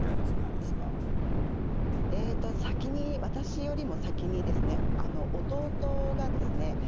先に、私よりも先にですね弟がですね